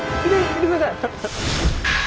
見てください！